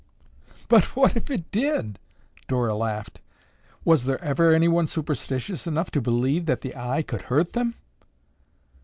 "But what if it did," Dora laughed. "Was there ever anyone superstitious enough to believe that the eye could hurt them?"